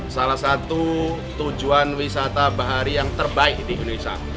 salah satu tujuan wisata bahari yang terbaik di indonesia